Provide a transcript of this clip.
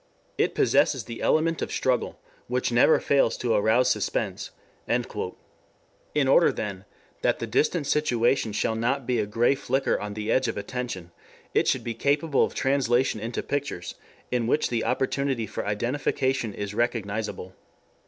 It possesses the element of struggle, which never fails to arouse suspense." In order then that the distant situation shall not be a gray flicker on the edge of attention, it should be capable of translation into pictures in which the opportunity for identification is recognizable.